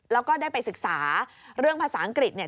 แล้วก็ได้ไปศึกษาเรื่องภาษาอังกฤษเนี่ย